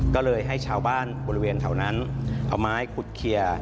ก็เลยให้ชาวบ้านบริเวณแถวนั้นเอาไม้ขุดเคลียร์